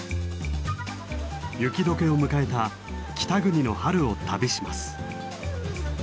雪解けを迎えた北国の春を旅します。